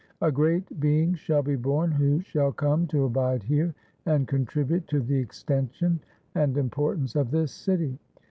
A great being shall be born who shall come to abide here, and contribute to the extension and importance of this city.